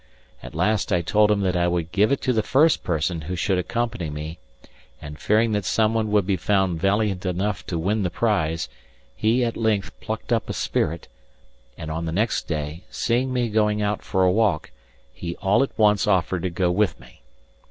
At last I told him that I would give it to the first person who should accompany me, and fearing that someone would be found valiant enough to win the prize, he at length plucked up a spirit, and on the next day, seeing me going out for a walk, he all at once offered to go with me.